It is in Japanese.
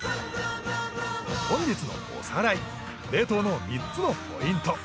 本日のおさらい冷凍の３つのポイント